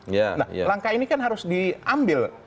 nah langkah ini kan harus diambil